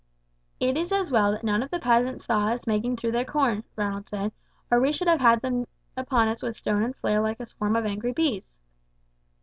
"It is as well that none of the peasants saw us making through their corn," Ronald said, "or we should have had them upon us with stone and flail like a swarm of angry bees."